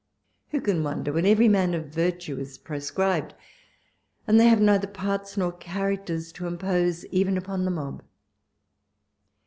Who can wonder, when every man of virtue is pro scribed, and they have neither parts nor charac ters to impose even upon the mob